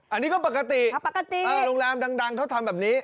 อันนี้ก็ปกติโรงแรมดังเขาทำแบบนี้